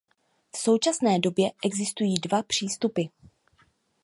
V současné době existují dva přístupy.